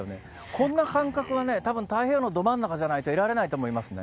こんな感覚はね、たぶん太平洋のど真ん中じゃないと得られないと思いますね。